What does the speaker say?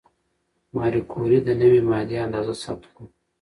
ماري کوري د نوې ماده اندازه ثبت کړه.